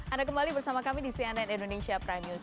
anda kembali bersama kami di cnn indonesia prime news